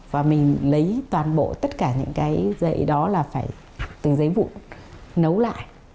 và mình lấy toàn bộ tất cả những cái giấy đó là phải từng giấy vụn nấu lại